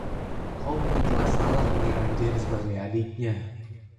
Kau mungkin telah salah mengira Jane sebagai adiknya.